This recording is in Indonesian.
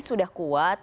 ini sudah kuat